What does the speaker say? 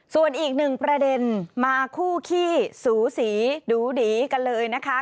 ส่วนอีกหนึ่งประเด็นมาคู่ขี้สูสีดูดีกันเลยนะคะ